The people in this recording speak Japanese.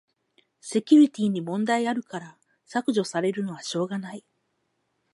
セキュリティに問題あるから削除されるのはしょうがない